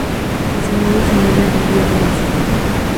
Cocinados en ollas de hierro macizo.